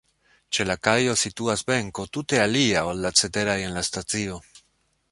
Ĉe la kajo situas benko, tute alia, ol la ceteraj en la stacio.